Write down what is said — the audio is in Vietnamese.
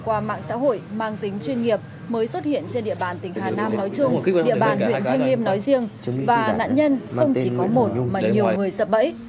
và nạn nhân không chỉ có một mà nhiều người sập bẫy